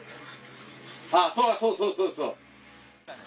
あっそうそうそうそう。